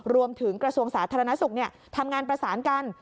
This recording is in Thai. กระทรวงสาธารณสุขทำงานประสานกัน